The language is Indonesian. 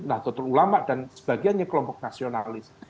nahdlatul ulama dan sebagiannya kelompok nasionalis